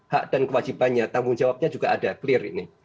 hak dan kewajibannya tanggung jawabnya juga ada clear ini